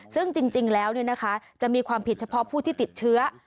ซึ่งจริงแล้วจะมีความผิดเฉพาะผู้ที่ติดเชื้อ